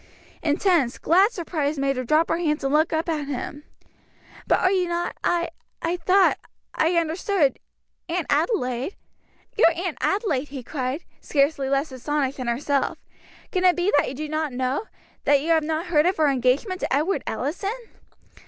Intense, glad surprise made her drop her hands and look up at him. "But are you not I I thought I understood Aunt Adelaide " "Your Aunt Adelaide!" he cried, scarcely less astonished than herself, "can it be that you do not know that you have not heard of her engagement to Edward Allison?"